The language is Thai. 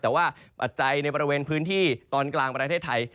แต่ว่าปัจจัยในบริเวณพื้นที่ตอนกลางประเทศไทย